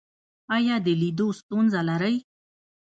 ایا د لیدلو ستونزه لرئ؟